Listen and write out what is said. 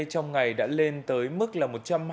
trong ngày đã lên tới mức là